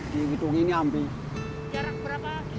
sepuluh di gedung ini hampir